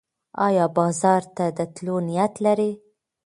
ایا بازار ته د تلو نیت لرې؟